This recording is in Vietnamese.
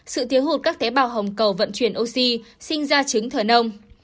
sự thiếu hụt các tế bào hồng cầu vận chuyển oxy sinh ra trứng thở nông